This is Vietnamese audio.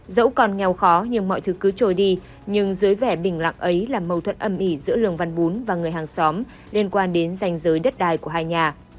dẫu còn nghèo khó nhưng mọi thứ cứ trôi đi nhưng dưới vẻ bình lặng ấy là mâu thuẫn âm ỉ giữa lường văn bún và người hàng xóm liên quan đến danh giới đất đai của hai nhà